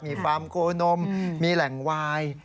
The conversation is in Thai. มีฟาร์มโคนมมีแหล่งวาย